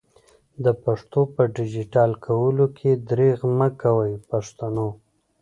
د پښتو په ډيجيټل کولو کي درېغ مکوئ پښتنو!